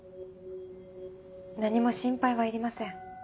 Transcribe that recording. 何も心配はいりません。